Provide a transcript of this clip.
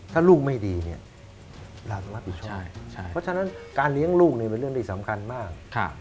ถ้าลูกไม่ดีเนี่ยเราต้องรับผิดชอบเพราะฉะนั้นการเลี้ยงลูกนี่เป็นเรื่องที่สำคัญมาก